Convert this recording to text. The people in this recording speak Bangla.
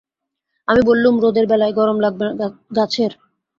আমি বললুম, রোদের বেলায় গরম লাগবে গাছের।